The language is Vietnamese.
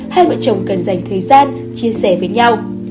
hai vợ chồng cần dành thời gian chia sẻ với nhau